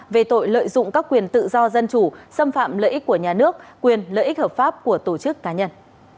về tội lợi dụng các quyền tự do dân chủ xâm phạm lợi ích của nhà nước quyền lợi ích hợp pháp của tổ chức cá nhân